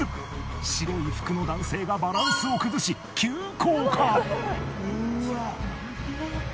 白い服の男性がバランスを崩し急降下！